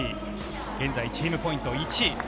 現在、チームポイント１位。